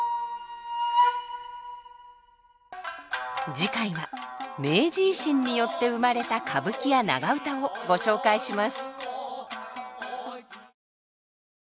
次回は明治維新によって生まれた歌舞伎や長唄をご紹介します。